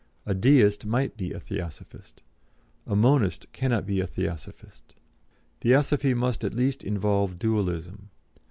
A Deist might be a Theosophist. A Monist cannot be a Theosophist. Theosophy must at least involve Dualism.